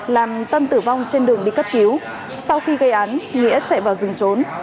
làm tâm tử vong trên đường đi cấp cứu sau khi gây án nghĩa chạy vào rừng trốn